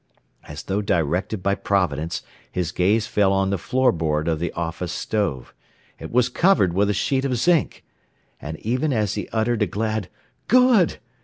As though directed by Providence, his gaze fell on the floor board of the office stove. It was covered with a sheet of zinc! And even as he uttered a glad "Good!"